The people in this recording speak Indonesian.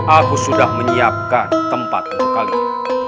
aku sudah menyiapkan tempat untuk kalian